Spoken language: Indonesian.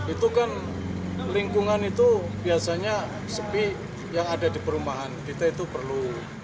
itu kan lingkungan itu biasanya sepi yang ada di perumahan kita itu perlu